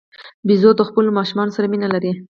بیزو د خپلو ماشومانو سره مینه لري.